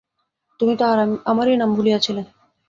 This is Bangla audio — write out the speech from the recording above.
তুমি তো আমারই নাম ভুলিয়াছিলে।